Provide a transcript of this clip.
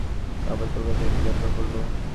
আবার কলকাতায় কী দরকার পড়ল।